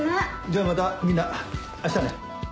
「じゃあまたみんなあしたね」